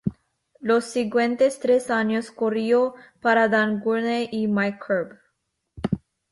Los siguientes tres años corrió para Dan Gurney y Mike Curb.